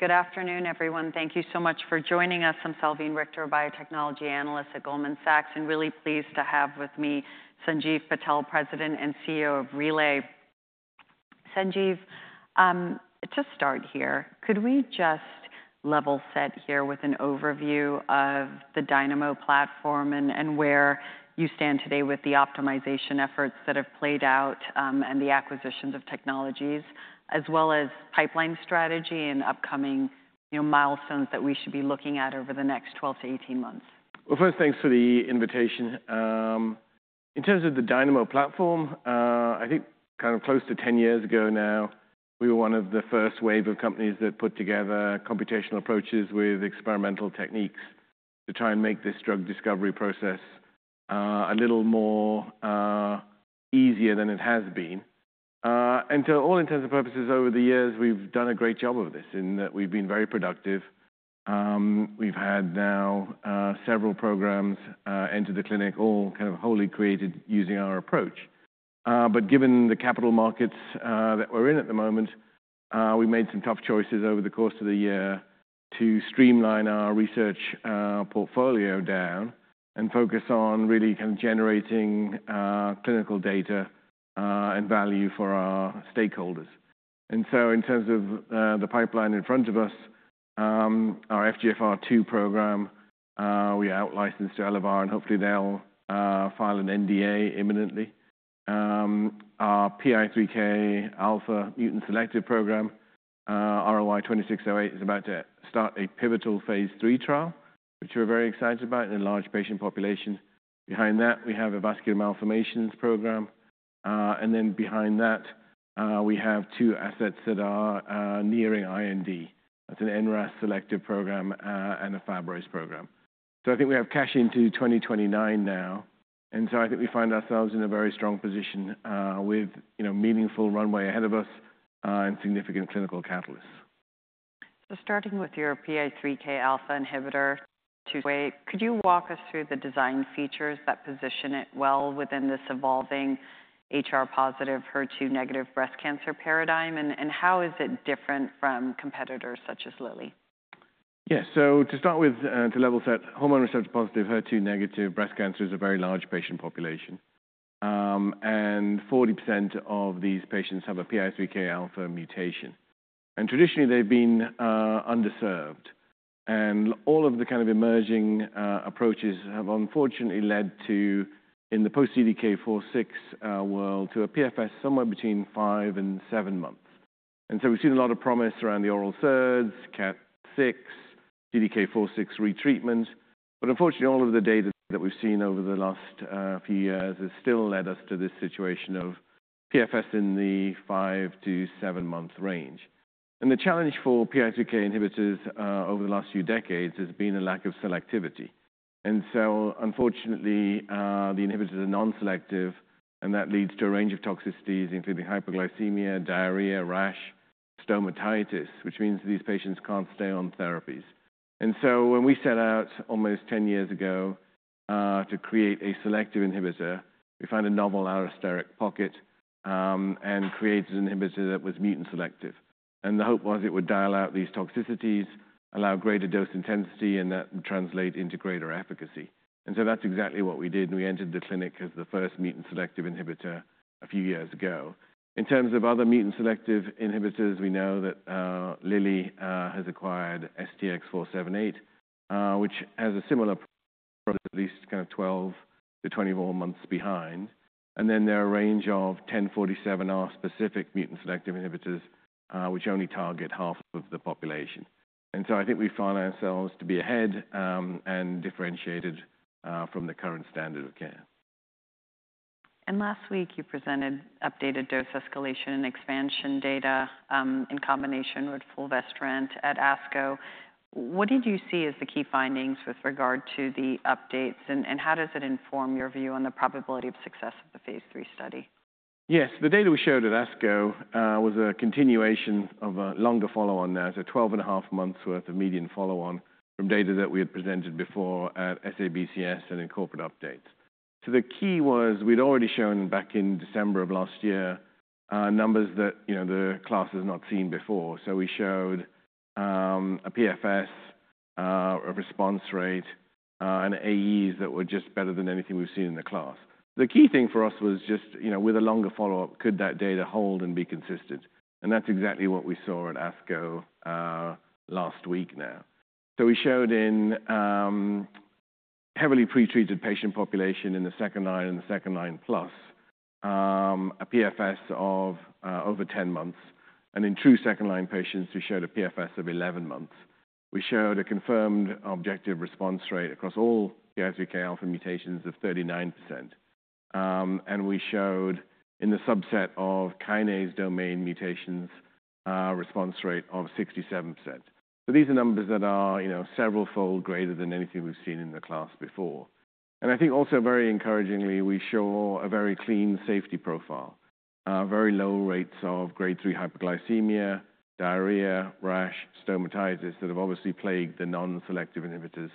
Good afternoon, everyone. Thank you so much for joining us. I'm Salveen Richter, a biotechnology analyst at Goldman Sachs, and really pleased to have with me Sanjiv Patel, President and CEO of Relay. Sanjiv, to start here, could we just level set here with an overview of the Dynamo platform and where you stand today with the optimization efforts that have played out and the acquisitions of technologies, as well as pipeline strategy and upcoming milestones that we should be looking at over the next 12 to 18 months? First, thanks for the invitation. In terms of the Dynamo platform, I think kind of close to 10 years ago now, we were one of the first wave of companies that put together computational approaches with experimental techniques to try and make this drug discovery process a little more easier than it has been. For all intents and purposes, over the years, we've done a great job of this in that we've been very productive. We've had now several programs enter the clinic, all kind of wholly created using our approach. Given the capital markets that we're in at the moment, we made some tough choices over the course of the year to streamline our research portfolio down and focus on really kind of generating clinical data and value for our stakeholders. In terms of the pipeline in front of us, our FGFR2 program, we outlicensed to Elevar, and hopefully they'll file an NDA imminently. Our PI3K alpha mutant selective program, RLY-2608, is about to start a pivotal phase three trial, which we're very excited about in a large patient population. Behind that, we have a vascular malformations program. Then behind that, we have two assets that are nearing IND. That's an NRAS selective program and a Fabry's program. I think we have cash into 2029 now. I think we find ourselves in a very strong position with a meaningful runway ahead of us and significant clinical catalysts. Starting with your PI3K alpha inhibitor, HER2 wave, could you walk us through the design features that position it well within this evolving HR positive, HER2 negative breast cancer paradigm? How is it different from competitors such as Lilly? Yeah, so to start with, to level set, hormone receptor positive, HER2 negative breast cancer is a very large patient population. And 40% of these patients have a PI3K alpha mutation. And traditionally, they've been underserved. And all of the kind of emerging approaches have unfortunately led to, in the post-CDK4/6 world, to a PFS somewhere between five and seven months. And so we've seen a lot of promise around the oral SERDs, CAT6, CDK4/6 retreatment. But unfortunately, all of the data that we've seen over the last few years has still led us to this situation of PFS in the five to seven month range. And the challenge for PI3K inhibitors over the last few decades has been a lack of selectivity. Unfortunately, the inhibitors are non-selective, and that leads to a range of toxicities, including hyperglycemia, diarrhea, rash, stomatitis, which means these patients can't stay on therapies. When we set out almost 10 years ago to create a selective inhibitor, we found a novel allosteric pocket and created an inhibitor that was mutant selective. The hope was it would dial out these toxicities, allow greater dose intensity, and that would translate into greater efficacy. That is exactly what we did. We entered the clinic as the first mutant selective inhibitor a few years ago. In terms of other mutant selective inhibitors, we know that Lilly has acquired STX478, which has a similar approach, at least kind of 12-24 months behind. There are a range of 1047R specific mutant selective inhibitors, which only target half of the population. I think we find ourselves to be ahead and differentiated from the current standard of care. Last week, you presented updated dose escalation and expansion data in combination with fulvestrant at ASCO. What did you see as the key findings with regard to the updates? How does it inform your view on the probability of success of the phase three study? Yes, the data we showed at ASCO was a continuation of a longer follow-on there. It's a 12 and a half months worth of median follow-on from data that we had presented before at SABCS and in corporate updates. The key was we'd already shown back in December of last year numbers that the class has not seen before. We showed a PFS, a response rate, and AEs that were just better than anything we've seen in the class. The key thing for us was just, with a longer follow-up, could that data hold and be consistent? That's exactly what we saw at ASCO last week now. We showed in heavily pretreated patient population in the second line and the second line plus a PFS of over 10 months. In true second line patients, we showed a PFS of 11 months. We showed a confirmed objective response rate across all PI3K alpha mutations of 39%. We showed in the subset of kinase domain mutations a response rate of 67%. These are numbers that are several fold greater than anything we've seen in the class before. I think also very encouragingly, we show a very clean safety profile, very low rates of grade three hyperglycemia, diarrhea, rash, stomatitis that have obviously plagued the non-selective inhibitors.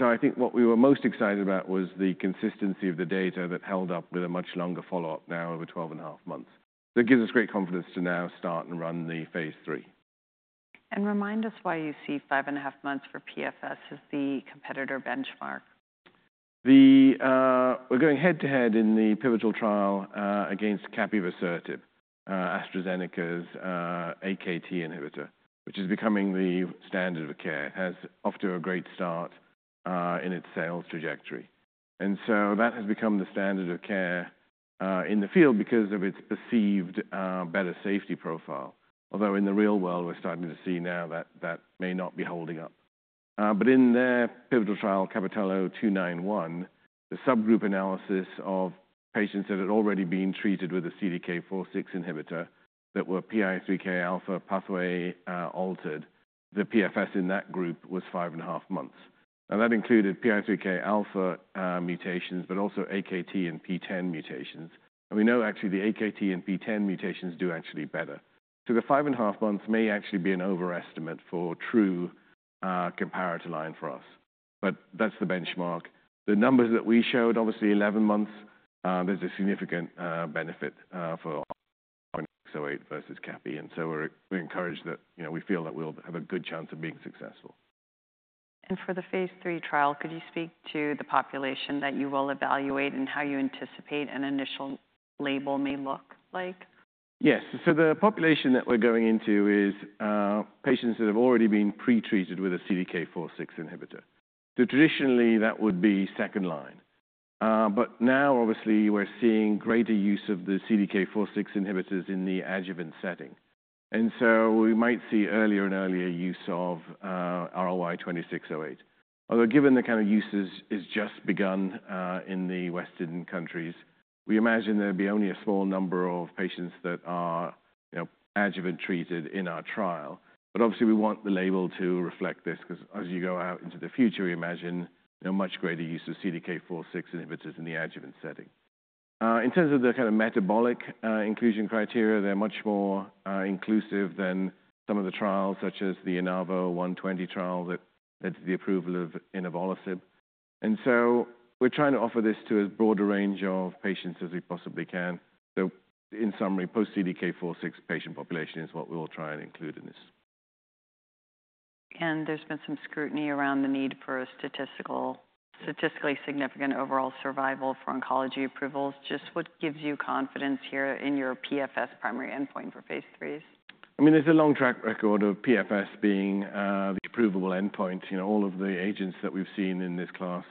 I think what we were most excited about was the consistency of the data that held up with a much longer follow-up now over 12 and a half months. That gives us great confidence to now start and run the phase three. Remind us why you see five and a half months for PFS as the competitor benchmark. We're going head to head in the pivotal trial against Capivasertib, AstraZeneca's AKT inhibitor, which is becoming the standard of care. It has off to a great start in its sales trajectory. That has become the standard of care in the field because of its perceived better safety profile. Although in the real world, we're starting to see now that that may not be holding up. In their pivotal trial, CAPItello-291, the subgroup analysis of patients that had already been treated with a CDK4/6 inhibitor that were PI3K alpha pathway altered, the PFS in that group was five and a half months. That included PI3K alpha mutations, but also AKT and PTEN mutations. We know actually the AKT and PTEN mutations do actually better. The five and a half months may actually be an overestimate for true comparator line for us. That's the benchmark. The numbers that we showed, obviously 11 months, there's a significant benefit for RLY-2608 versus CAPI. And so we're encouraged that we feel that we'll have a good chance of being successful. For the phase three trial, could you speak to the population that you will evaluate and how you anticipate an initial label may look like? Yes. So the population that we're going into is patients that have already been pretreated with a CDK4/6 inhibitor. Traditionally, that would be second line. Obviously, we're seeing greater use of the CDK4/6 inhibitors in the adjuvant setting. We might see earlier and earlier use of RLY-2608. Although given the kind of use has just begun in the Western countries, we imagine there will be only a small number of patients that are adjuvant treated in our trial. Obviously, we want the label to reflect this because as you go out into the future, we imagine much greater use of CDK4/6 inhibitors in the adjuvant setting. In terms of the kind of metabolic inclusion criteria, they're much more inclusive than some of the trials, such as the INAVO120 trial that led to the approval of inavolisib. We're trying to offer this to as broad a range of patients as we possibly can. In summary, post-CDK4/6 patient population is what we'll try and include in this. There has been some scrutiny around the need for statistically significant overall survival for oncology approvals. Just what gives you confidence here in your PFS primary endpoint for phase threes? I mean, there's a long track record of PFS being the approvable endpoint. All of the agents that we've seen in this class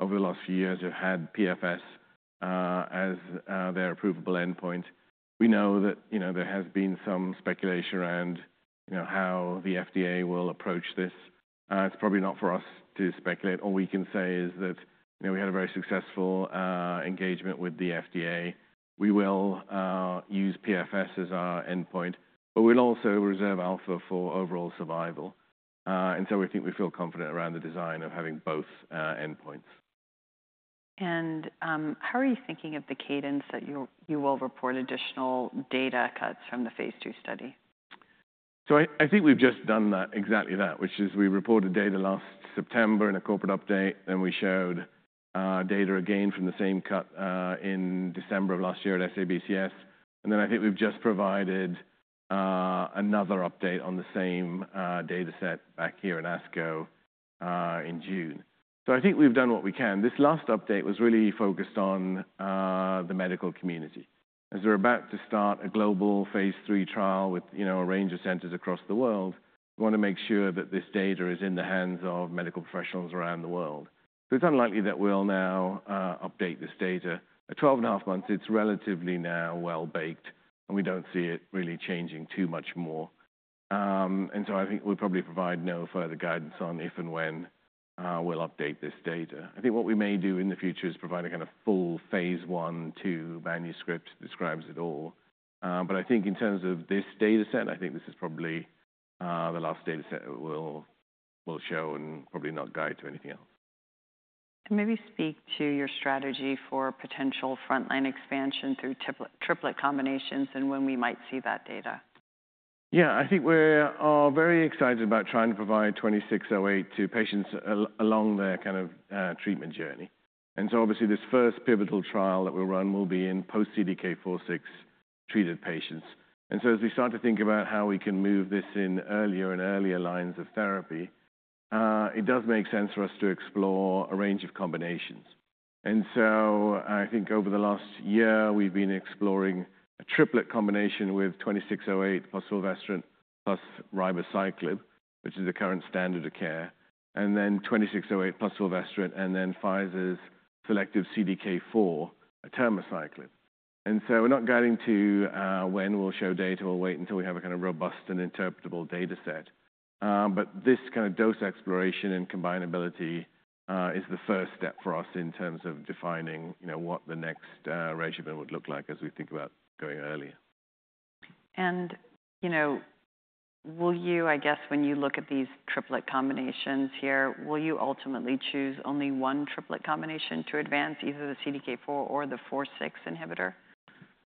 over the last few years have had PFS as their approvable endpoint. We know that there has been some speculation around how the FDA will approach this. It's probably not for us to speculate. All we can say is that we had a very successful engagement with the FDA. We will use PFS as our endpoint, but we'll also reserve alpha for overall survival. We think we feel confident around the design of having both endpoints. How are you thinking of the cadence that you will report additional data cuts from the phase two study? I think we've just done exactly that, which is we reported data last September in a corporate update, then we showed data again from the same cut in December of last year at SABCS. I think we've just provided another update on the same data set back here at ASCO in June. I think we've done what we can. This last update was really focused on the medical community. As we're about to start a global phase three trial with a range of centers across the world, we want to make sure that this data is in the hands of medical professionals around the world. It's unlikely that we'll now update this data. At 12 and a half months, it's relatively now well baked, and we don't see it really changing too much more. I think we'll probably provide no further guidance on if and when we'll update this data. I think what we may do in the future is provide a kind of full phase one two manuscript that describes it all. I think in terms of this data set, this is probably the last data set that we'll show and probably not guide to anything else. Maybe speak to your strategy for potential frontline expansion through triplet combinations and when we might see that data. Yeah, I think we're very excited about trying to provide RLY-2608 to patients along their kind of treatment journey. Obviously, this first pivotal trial that we'll run will be in post-CDK4/6 treated patients. As we start to think about how we can move this in earlier and earlier lines of therapy, it does make sense for us to explore a range of combinations. I think over the last year, we've been exploring a triplet combination with RLY-2608 plus fulvestrant plus ribociclib, which is the current standard of care, and then RLY-2608 plus Fulvestrant and then Pfizer's selective CDK4, atirmociclib. We're not guiding to when we'll show data. We'll wait until we have a kind of robust and interpretable data set. This kind of dose exploration and combinability is the first step for us in terms of defining what the next regimen would look like as we think about going earlier. Will you, I guess, when you look at these triplet combinations here, will you ultimately choose only one triplet combination to advance, either the CDK4 or the CDK4/6 inhibitor?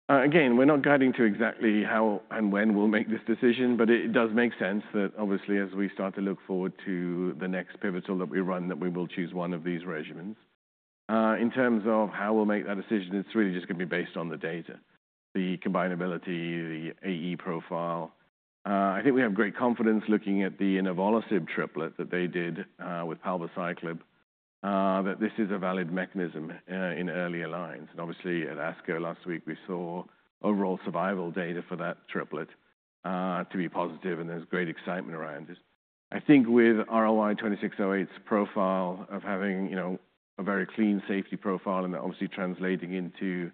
Again, we're not guiding to exactly how and when we'll make this decision, but it does make sense that obviously, as we start to look forward to the next pivotal that we run, that we will choose one of these regimens. In terms of how we'll make that decision, it's really just going to be based on the data, the combinability, the AE profile. I think we have great confidence looking at the inavolisib triplet that they did with palbociclib, that this is a valid mechanism in earlier lines. Obviously, at ASCO last week, we saw overall survival data for that triplet to be positive, and there's great excitement around it. I think with RLY-2608's profile of having a very clean safety profile and obviously translating into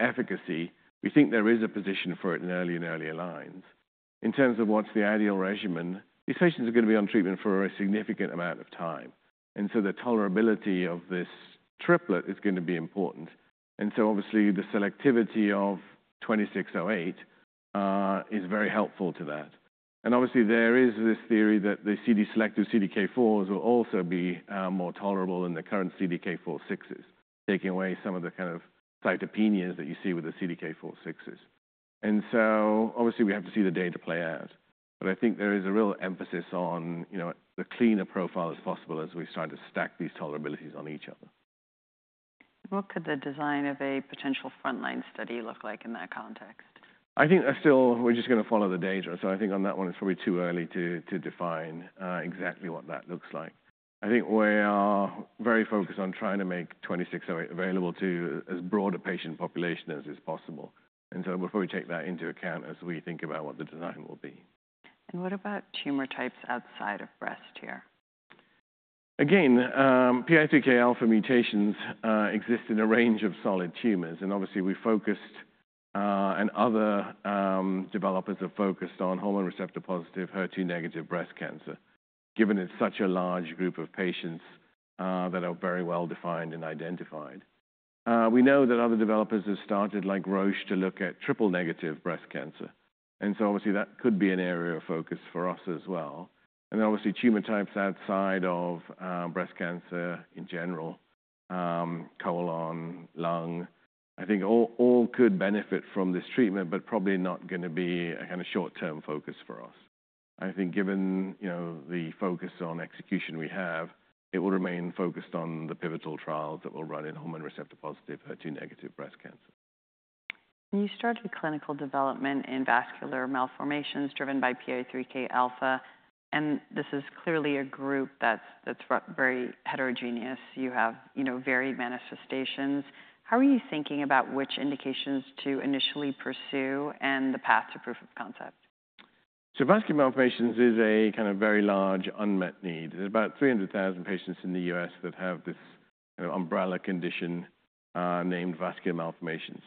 efficacy, we think there is a position for it in earlier and earlier lines. In terms of what's the ideal regimen, these patients are going to be on treatment for a significant amount of time. The tolerability of this triplet is going to be important. Obviously, the selectivity of RLY-2608 is very helpful to that. Obviously, there is this theory that the selective CDK4s will also be more tolerable than the current CDK4/6s, taking away some of the kind of cytopenias that you see with the CDK4/6s. We have to see the data play out. I think there is a real emphasis on the cleaner profile as possible as we start to stack these tolerabilities on each other. What could the design of a potential frontline study look like in that context? I think still we're just going to follow the data. I think on that one, it's probably too early to define exactly what that looks like. I think we are very focused on trying to make RLY-2608 available to as broad a patient population as is possible. We'll probably take that into account as we think about what the design will be. What about tumor types outside of breast here? Again, PI3K alpha mutations exist in a range of solid tumors. Obviously, we focused, and other developers have focused on hormone receptor positive, HER2 negative breast cancer, given it's such a large group of patients that are very well defined and identified. We know that other developers have started, like Roche, to look at triple negative breast cancer. Obviously, that could be an area of focus for us as well. Tumor types outside of breast cancer in general, colon, lung, I think all could benefit from this treatment, but probably not going to be a kind of short-term focus for us. I think given the focus on execution we have, it will remain focused on the pivotal trials that we'll run in hormone receptor positive, HER2 negative breast cancer. You started clinical development in vascular malformations driven by PI3K alpha. This is clearly a group that's very heterogeneous. You have varied manifestations. How are you thinking about which indications to initially pursue and the path to proof of concept? Vascular malformations is a kind of very large unmet need. There are about 300,000 patients in the U.S. that have this kind of umbrella condition named vascular malformations.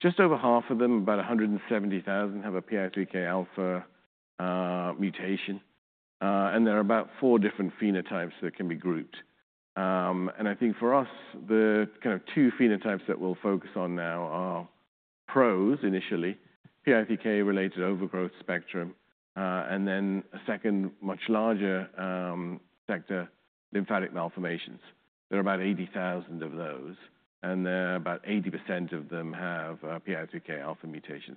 Just over half of them, about 170,000, have a PI3K alpha mutation. There are about four different phenotypes that can be grouped. I think for us, the kind of two phenotypes that we'll focus on now are PROS initially, PI3K related overgrowth spectrum, and then a second much larger sector, lymphatic malformations. There are about 80,000 of those, and about 80% of them have PI3K alpha mutation.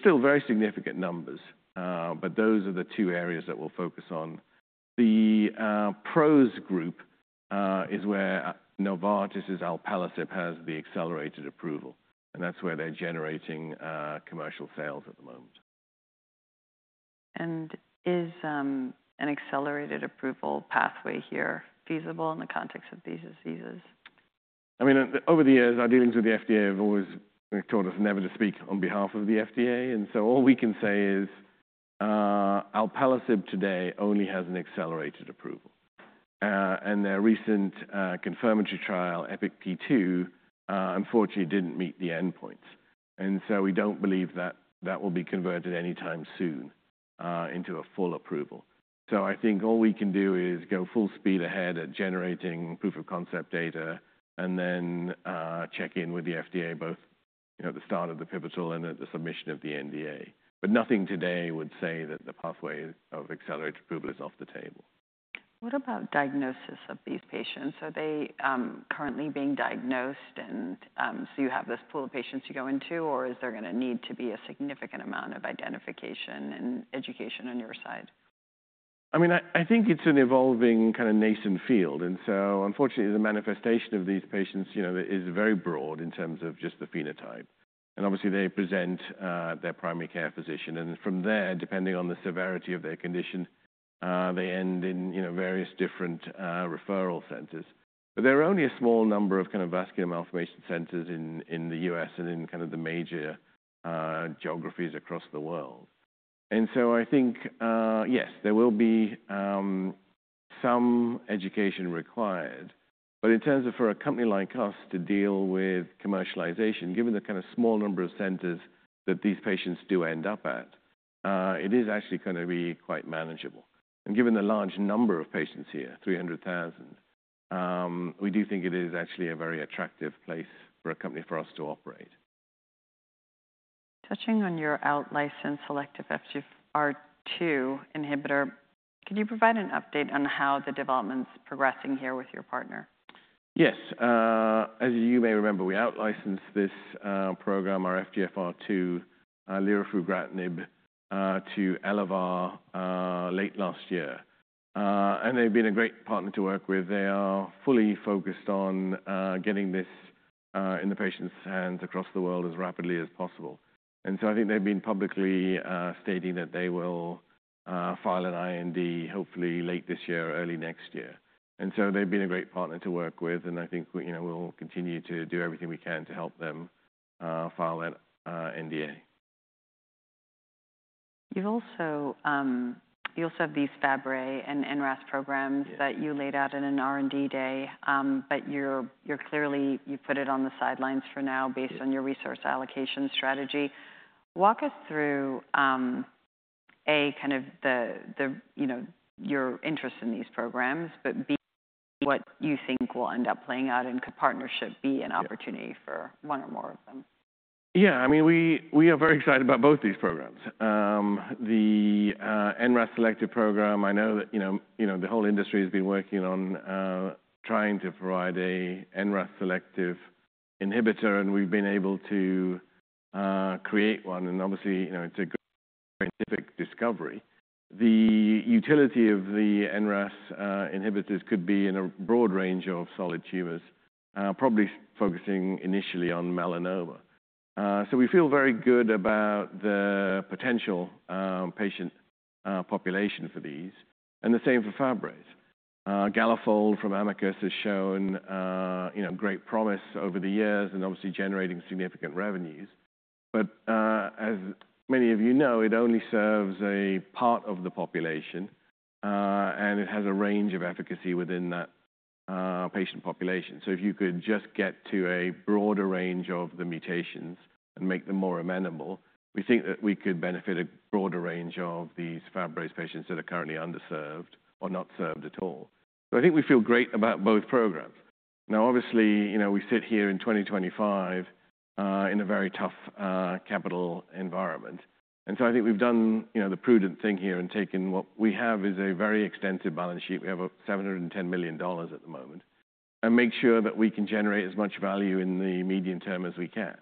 Still very significant numbers, but those are the two areas that we'll focus on. The PROS group is where Novartis's Alpelisib has the accelerated approval. That's where they're generating commercial sales at the moment. Is an accelerated approval pathway here feasible in the context of these diseases? I mean, over the years, our dealings with the FDA have always taught us never to speak on behalf of the FDA. All we can say is Alpelisib today only has an accelerated approval. Their recent confirmatory trial, EPIC-P2, unfortunately did not meet the endpoints. We do not believe that that will be converted anytime soon into a full approval. I think all we can do is go full speed ahead at generating proof of concept data and then check in with the FDA both at the start of the pivotal and at the submission of the NDA. Nothing today would say that the pathway of accelerated approval is off the table. What about diagnosis of these patients? Are they currently being diagnosed and so you have this pool of patients you go into, or is there going to need to be a significant amount of identification and education on your side? I mean, I think it's an evolving kind of nascent field. Unfortunately, the manifestation of these patients is very broad in terms of just the phenotype. Obviously, they present to their primary care physician, and from there, depending on the severity of their condition, they end in various different referral centers. There are only a small number of vascular malformation centers in the U.S. and in the major geographies across the world. I think, yes, there will be some education required. In terms of for a company like us to deal with commercialization, given the small number of centers that these patients do end up at, it is actually going to be quite manageable. Given the large number of patients here, 300,000, we do think it is actually a very attractive place for a company for us to operate. Touching on your out-licensed selective FGFR2 inhibitor, can you provide an update on how the development's progressing here with your partner? Yes. As you may remember, we out-licensed this program, our FGFR2, liraflugratinib, to Elevar late last year. They've been a great partner to work with. They are fully focused on getting this in the patient's hands across the world as rapidly as possible. I think they've been publicly stating that they will file an IND hopefully late this year or early next year. They've been a great partner to work with. I think we'll continue to do everything we can to help them file that NDA. You also have these Fabry and NRAS programs that you laid out in an R&D day, but you're clearly, you put it on the sidelines for now based on your resource allocation strategy. Walk us through A, kind of your interest in these programs, but B, what you think will end up playing out in partnership, B, an opportunity for one or more of them. Yeah, I mean, we are very excited about both these programs. The NRAS selective program, I know that the whole industry has been working on trying to provide an NRAS selective inhibitor, and we've been able to create one. Obviously, it's a scientific discovery. The utility of the NRAS inhibitors could be in a broad range of solid tumors, probably focusing initially on melanoma. We feel very good about the potential patient population for these. The same for Fabry. Galafold from Amicus has shown great promise over the years and obviously generating significant revenues. As many of you know, it only serves a part of the population, and it has a range of efficacy within that patient population. If you could just get to a broader range of the mutations and make them more amenable, we think that we could benefit a broader range of these Fabry patients that are currently underserved or not served at all. I think we feel great about both programs. Now, obviously, we sit here in 2025 in a very tough capital environment. I think we have done the prudent thing here and taken what we have, which is a very extensive balance sheet. We have $710 million at the moment and make sure that we can generate as much value in the medium term as we can.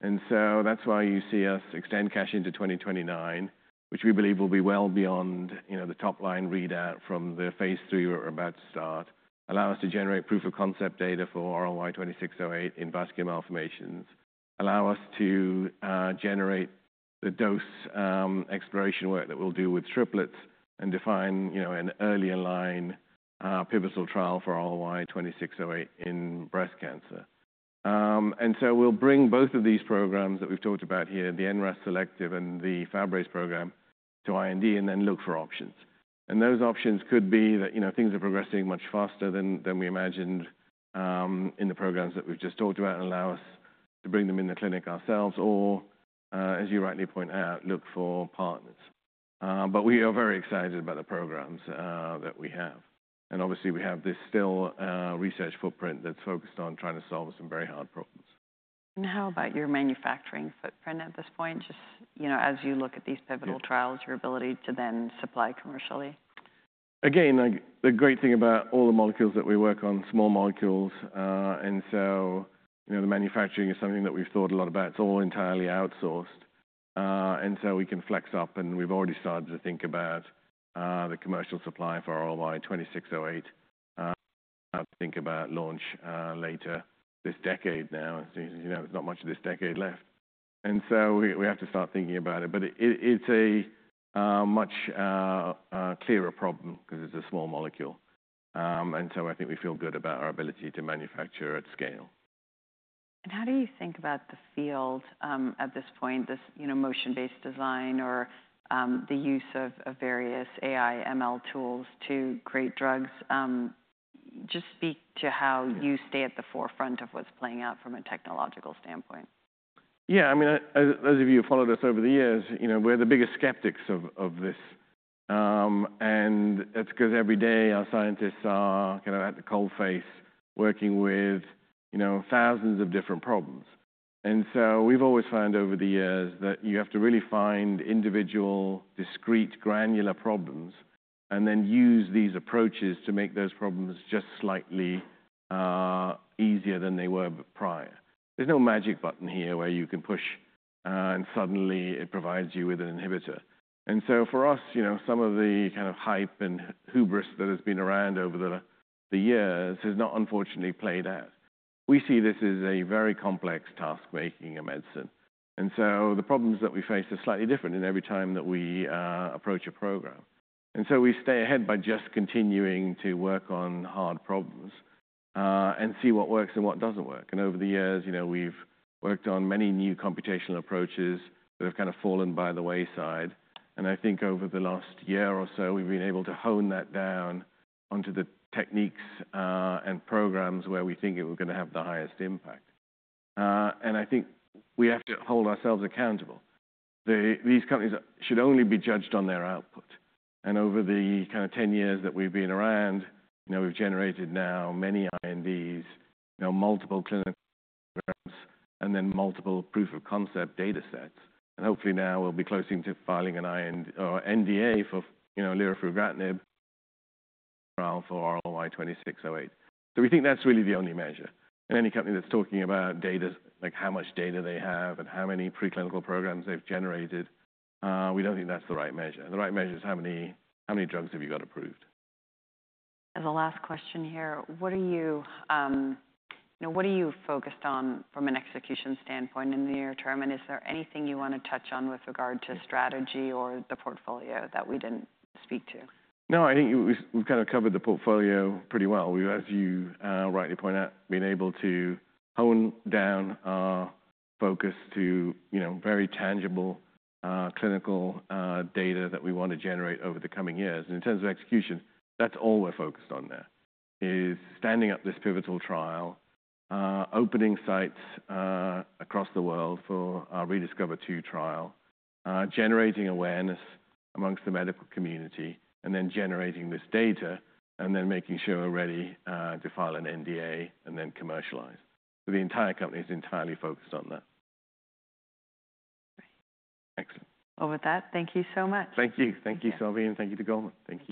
That is why you see us extend cash into 2029, which we believe will be well beyond the top line readout from the phase three we are about to start, allow us to generate proof of concept data for RLY-2608 in vascular malformations, allow us to generate the dose exploration work that we will do with triplets and define an earlier line pivotal trial for RLY-2608 in breast cancer. We will bring both of these programs that we have talked about here, the NRAS selective and the Fabry's program, to IND and then look for options. Those options could be that things are progressing much faster than we imagined in the programs that we have just talked about and allow us to bring them in the clinic ourselves, or as you rightly point out, look for partners. We are very excited about the programs that we have. Obviously, we have this still research footprint that's focused on trying to solve some very hard problems. How about your manufacturing footprint at this point, just as you look at these pivotal trials, your ability to then supply commercially? Again, the great thing about all the molecules that we work on, small molecules, and so the manufacturing is something that we've thought a lot about. It's all entirely outsourced. We can flex up, and we've already started to think about the commercial supply for RLY-2608, think about launch later this decade now. There's not much of this decade left. We have to start thinking about it. It's a much clearer problem because it's a small molecule. I think we feel good about our ability to manufacture at scale. How do you think about the field at this point, this motion-based design or the use of various AI, ML tools to create drugs? Just speak to how you stay at the forefront of what's playing out from a technological standpoint. Yeah, I mean, those of you who followed us over the years, we're the biggest skeptics of this. That's because every day our scientists are kind of at the coal face working with thousands of different problems. We've always found over the years that you have to really find individual, discrete, granular problems and then use these approaches to make those problems just slightly easier than they were prior. There's no magic button here where you can push and suddenly it provides you with an inhibitor. For us, some of the kind of hype and hubris that has been around over the years has not unfortunately played out. We see this as a very complex task making a medicine. The problems that we face are slightly different in every time that we approach a program. We stay ahead by just continuing to work on hard problems and see what works and what does not work. Over the years, we have worked on many new computational approaches that have kind of fallen by the wayside. I think over the last year or so, we have been able to hone that down onto the techniques and programs where we think it was going to have the highest impact. I think we have to hold ourselves accountable. These companies should only be judged on their output. Over the 10 years that we have been around, we have generated now many INDs, multiple clinical programs, and then multiple proof of concept data sets. Hopefully now we will be closing to filing an NDA for the liraflugratinib trial for RLY-2608. We think that is really the only measure. Any company that's talking about data, like how much data they have and how many pre-clinical programs they've generated, we don't think that's the right measure. The right measure is how many drugs have you got approved. As a last question here, what are you focused on from an execution standpoint in the near term? Is there anything you want to touch on with regard to strategy or the portfolio that we did not speak to? No, I think we've kind of covered the portfolio pretty well. We've, as you rightly point out, been able to hone down our focus to very tangible clinical data that we want to generate over the coming years. In terms of execution, that's all we're focused on now, is standing up this pivotal trial, opening sites across the world for our Rediscover2 trial, generating awareness amongst the medical community, and then generating this data and then making sure we're ready to file an NDA and then commercialize. The entire company is entirely focused on that. Great. Excellent. Over that, thank you so much. Thank you. Thank you, Salveen, and thank you to Goldman.